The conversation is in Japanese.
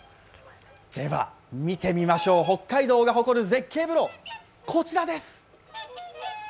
では見てみましょう、北海道が誇る絶景風呂、こちらです！